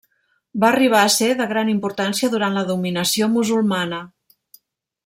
Va arribar a ser de gran importància durant la dominació musulmana.